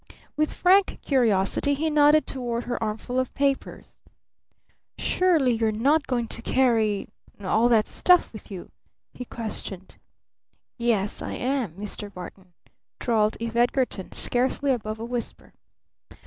With frank curiosity he nodded toward her armful of papers. "Surely you're not going to carry all that stuff with you?" he questioned. "Yes, I am, Mr. Barton," drawled Eve Edgarton, scarcely above a whisper.